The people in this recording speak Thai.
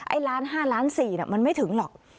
ไอ้ล้าน๕ล้าน๔มันไม่ถึงหรอก